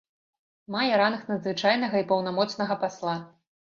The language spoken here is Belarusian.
Мае ранг надзвычайнага і паўнамоцнага пасла.